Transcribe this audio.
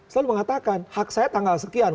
selalu mengatakan hak saya tanggal sekian